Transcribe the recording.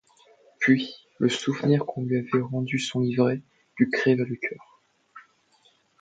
Puis, le souvenir qu’on lui avait rendu son livret, lui creva le cœur.